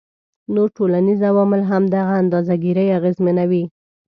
نور ټولنیز عوامل هم دغه اندازه ګيرۍ اغیزمنوي